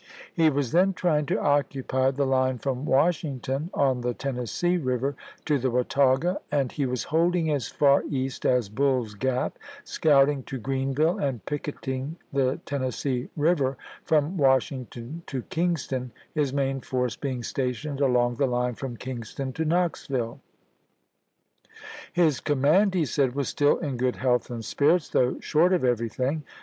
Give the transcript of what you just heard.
He was then trying to occupy the line from Washing ton on the Tennessee Eiver to the Watauga, and he was holding as far east as Bull's Glap, scouting to Greenville and picketing the Tennessee Eiver from Washington to Kingston, his main force be ing stationed along the line from Kingston to Knoxville. His command, he said, was still in good health and spirits, though short of everything.